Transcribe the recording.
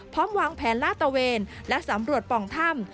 พร้อมวางแผนลาดตะเวนและสำรวจป่องถ้ำ